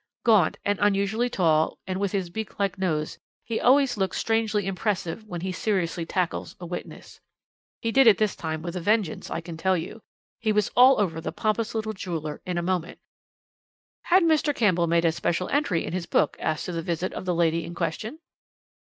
Gaunt, and unusually tall, and with his beak like nose, he always looks strangely impressive when he seriously tackles a witness. He did it this time with a vengeance, I can tell you. He was all over the pompous little jeweller in a moment. "'Had Mr. Campbell made a special entry in his book, as to the visit of the lady in question?'